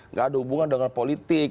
nggak ada hubungan dengan politik